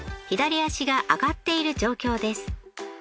左足が上がっている状況です。